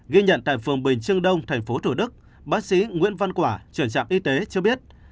ghi nhận tại phường bình trương đông thành phố thủ đức bác sĩ nguyễn văn quả trưởng trạm y tế cho biết